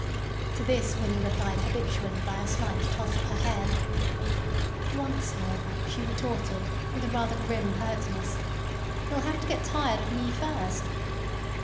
To this Winnie replied habitually by a slight toss of her head. Once, however, she retorted, with a rather grim pertness: "He'll have to get tired of me first."